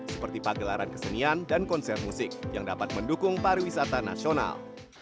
seperti pagelaran kesenian dan konser musik yang dapat mendukung pariwisata nasional